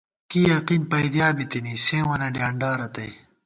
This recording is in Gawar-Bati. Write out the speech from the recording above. کی یقین پَئیدِیا بِتِنی، سیوں وَنہ ڈیانڈارتئ